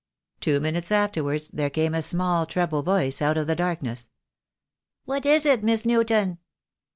Two minutes afterwards there came a small treble voice out of the darkness. "What is it, Miss Newton?"